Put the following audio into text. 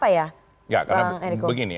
ya karena begini